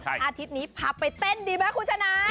อาทิตย์นี้พาไปเต้นดีไหมคุณชนะ